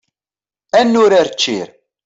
Ad nurar ččir.